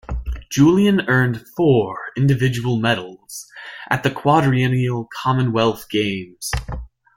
Julien earned four individual medals at the quadrennial Commonwealth Games.